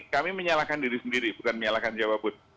kami menyalahkan diri sendiri bukan menyalahkan siapapun